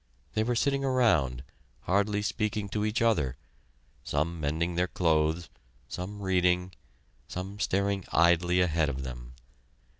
They were sitting around, hardly speaking to each other, some mending their clothes, some reading, some staring idly ahead of them.